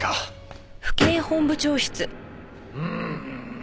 うん。